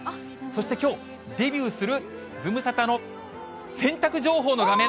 そしてきょう、デビューするズムサタの洗濯情報の画面。